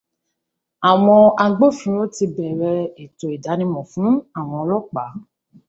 Àwọn agbófinró ti bẹ̀rẹ̀ ètò ìdánimọ̀ fún àwọn ọlọ́pàá.